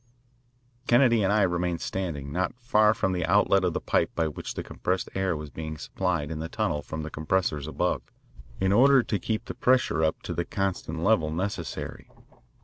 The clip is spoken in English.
Kennedy and I remained standing, not far from the outlet of the pipe by which the compressed air was being supplied in the tunnel from the compressors above, in order to keep the pressure up to the constant level necessary.